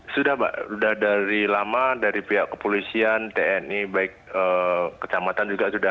sudah mbak sudah dari lama dari pihak kepolisian tni baik kecamatan juga sudah